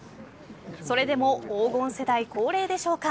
それでも黄金世代恒例でしょうか。